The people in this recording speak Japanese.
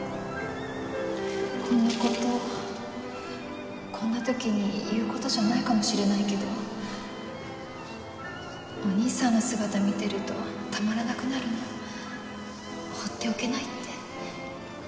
こんな事こんな時に言う事じゃないかもしれないけどお義兄さんの姿見てるとたまらなくなるの放っておけないって。